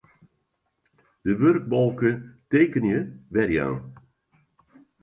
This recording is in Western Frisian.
De wurkbalke Tekenje werjaan.